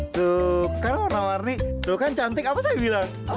tuh karena warna warni tuh kan cantik apa saya bilang